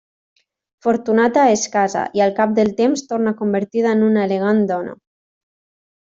Fortunata es casa i al cap del temps torna convertida en una elegant dona.